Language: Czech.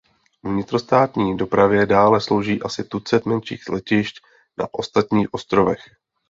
Vnitrostátní dopravě dále slouží asi tucet menších letišť na ostatních ostrovech.